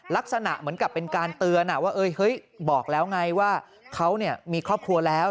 ลักษณะเหมือนกับเป็นการเตือนว่าเฮ้ยบอกแล้วไงว่าเขามีครอบครัวแล้ว